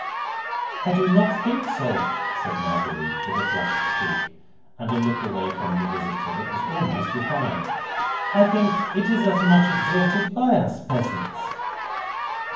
"I do not think so," said Marguerite, with a flushed cheek, and a look away from the visitor, that was almost defiant. "I think it is as much exalted by us peasants."